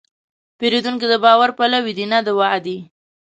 پیرودونکی د باور پلوي دی، نه د وعدې.